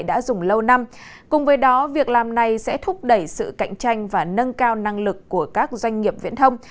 đã dùng lâu năm cùng với đó việc làm này sẽ thúc đẩy sự cạnh tranh và nâng cao năng lực của các doanh nghiệp viễn thông